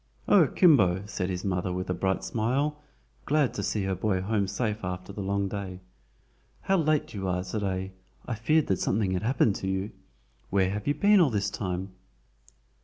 "O, Kimbo!" said his mother with a bright smile, glad to see her boy home safe after the long day. "How late you are to day. I feared that something had happened to you. Where have you been all the time?"